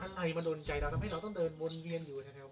อะไรมันโดนใจเราทำให้เราต้องเดินมนุษย์เหมือนอยู่แถว